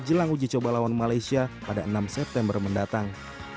jelang uji coba lawan malaysia pada enam september mendatang